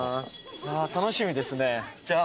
ああ楽しみですね。